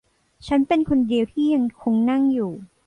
ฉันเป็นคนเดียวที่ยังคงนั่งอยู่